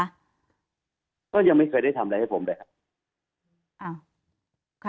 ก็ยังไม่เคยได้ทำอะไรให้ผมเลยครับ